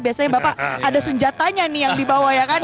biasanya bapak ada senjatanya nih yang dibawa ya kan